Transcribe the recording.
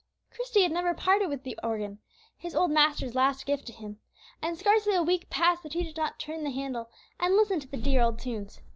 Christie had never parted with that organ, his old master's last gift to him. And scarcely a week passed that he did not turn the handle, and listen to the dear old tunes.